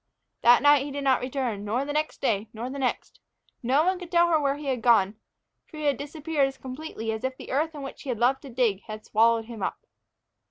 That night he did not return, nor the next day, nor the next. No one could tell her where he had gone. For he had disappeared as completely as if the earth in which he had loved to dig had swallowed him up.